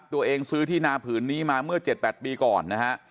ตัวเองซื้อที่นาผืนนี้มาเมื่อ๗๘ปีก่อนนะฮะ